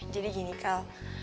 jadi gini kal